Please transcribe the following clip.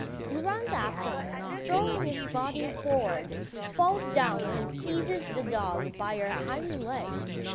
He runs after her, and throwing his body forward falls down and seizes the dog by her hind legs.